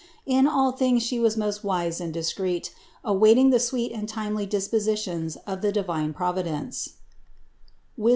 In all things She was most wise and discreet, awaiting the sweet and timely dispo sitions of the divine Providence (Wis.